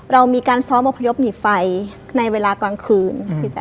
เรามีการซ้อมอพยพหนีไฟในเวลากลางคืน